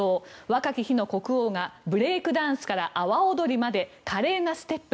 若き日の国王がブレークダンスから阿波踊りまで華麗なステップ。